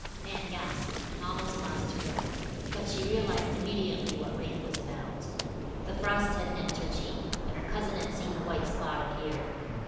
Nan gasped and almost lost her breath; but she realized immediately what Rafe was about. The frost had nipped her cheek, and her cousin had seen the white spot appear.